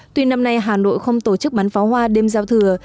tuy năm nay hà nội không tổ chức bắn pháo hoa đêm giao thừa